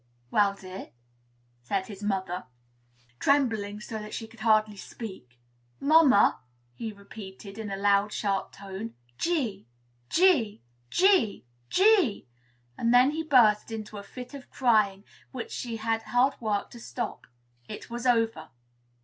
"Well, dear?" said his mother, trembling so that she could hardly speak. "Mamma," he repeated, in a loud, sharp tone, "G! G! G! G!" And then he burst into a fit of crying, which she had hard work to stop. It was over.